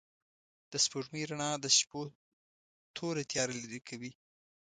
د سپوږمۍ رڼا د شپو توره تياره لېرې کوي.